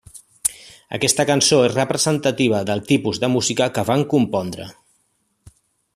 Aquesta cançó és representativa del tipus de música que van compondre.